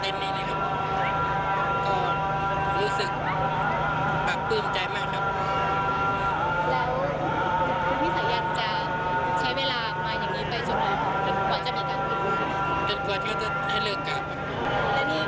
ตอนนี้เป็นครั้งหนึ่งครั้งหนึ่ง